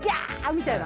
みたいな。